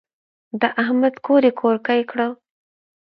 د احمد کور يې کورګی کړ.